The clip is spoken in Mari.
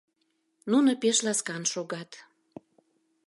Нуно пеш ласкан шогат.